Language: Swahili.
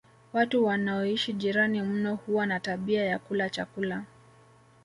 Watu wanaoishi jirani mno huwa na tabia ya kula chakula